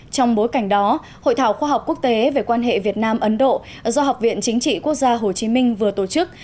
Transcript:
trong bối cảnh đó hội thảo khoa học quốc tế về quan hệ việt nam ấn độ do học viện chính trị quốc gia hồ chí minh vừa tổ chức